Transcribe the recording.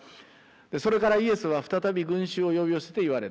それからイエスは再び群衆を呼び寄せて言われた。